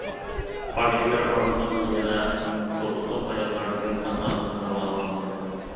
قارا شېكەر ئارقىلىق يەنە، تۇغۇتلۇق ئاياللاردىكى قان ئازلىقنى داۋالىغىلى بولىدۇ.